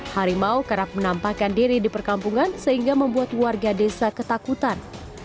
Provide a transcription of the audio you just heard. harimau kerap menampakkan diri di perkampungan sehingga membuat warga desa ketakutan